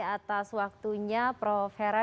atas waktunya prof hera